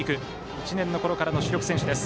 １年のころからの主力選手です。